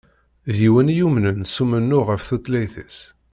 D yiwen i yumnen s umennuɣ ɣef tutlayt-is.